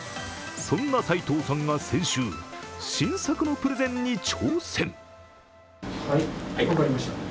そんな齋藤さんが先週新作のプレゼンに挑戦。